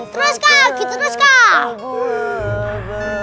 terus kak gitu terus kak